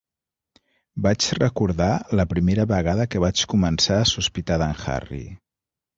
Vaig recordar la primera vegada que vaig començar a sospitar d'en Harry.